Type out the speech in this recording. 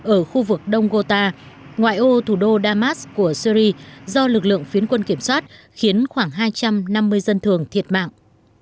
ở khu vực đông gota ngoại ô thủ đô damas của syri do lực lượng phiến quân kiểm soát khiến khoảng hai trăm năm mươi dân thường thiệt mạng